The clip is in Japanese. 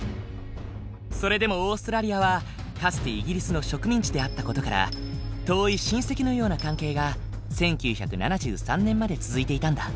それでもオーストラリアはかつてイギリスの植民地であった事から遠い親戚のような関係が１９７３年まで続いていたんだ。